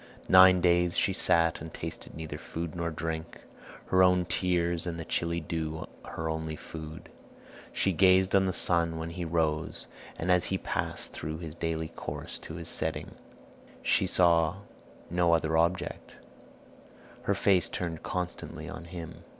Nine days she sat and tasted neither food nor drink, her own tears and the chilly dew her only food. She gazed on the sun when he rose, and as he passed through his daily course to his setting; she saw no other object, her face turned constantly on him.